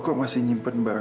gak ada apa apa